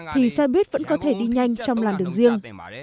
thì xe buýt vẫn có thể đi nhanh trong làn đường riêng